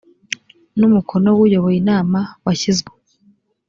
n umukono w uyoboye inama washyizweho